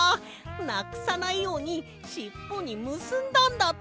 なくさないようにしっぽにむすんだんだった！